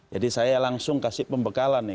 jadi saya langsung kasih pembekalan nih